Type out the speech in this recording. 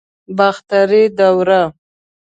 باختري دوره